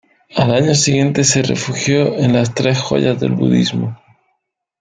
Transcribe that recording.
El año siguiente, el se refugió en las Tres Joyas del budismo.